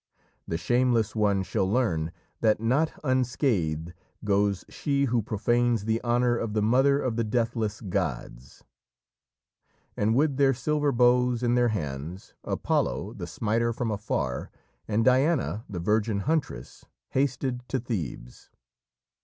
"The shameless one shall learn that not unscathed goes she who profanes the honour of the mother of the deathless gods!" And with their silver bows in their hands, Apollo, the smiter from afar, and Diana, the virgin huntress, hasted to Thebes.